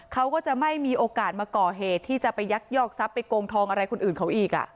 เขาก็จะไม่มีโอกาสมาก่อเหตุที่จะไปยักยอกทรัพย์ไปโกงทองอะไรคนอื่นเขาอีก